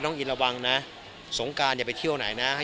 อินระวังนะสงการอย่าไปเที่ยวไหนนะ